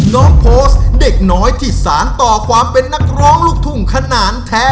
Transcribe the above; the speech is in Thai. โพสต์เด็กน้อยที่สารต่อความเป็นนักร้องลูกทุ่งขนาดแท้